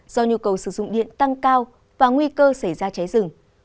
do nhu cầu sử dụng điện tăng cao và nguy cơ xảy ra cháy rừng